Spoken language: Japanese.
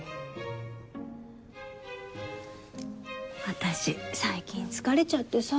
私最近疲れちゃってさ。